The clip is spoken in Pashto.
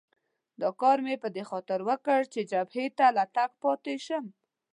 دا کار مې په دې خاطر وکړ چې جبهې ته له تګه پاتې شم.